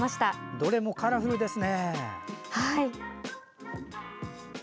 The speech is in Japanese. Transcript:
どれもカラフルですね。